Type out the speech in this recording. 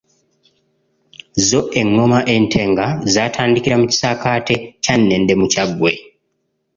Zo engoma entenga zaatandikira mu kisaakaaate kya Nnende mu Kyaggwe .